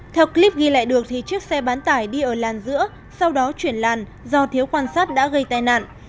theo clip ghi lại được thì chiếc xe bán tải đi ở làn giữa sau đó chuyển làn do thiếu quan sát đã gây tai nạn